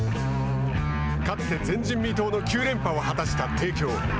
かつて前人未到の９連覇を果たした帝京。